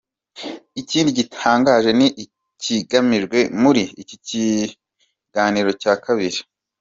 Ikindi gitangaje ni ikigamijwe muri iki kiganiro cya kabiri.